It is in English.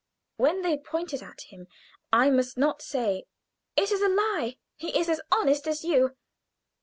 When they pointed at him I must not say, "It is a lie; he is as honest as you."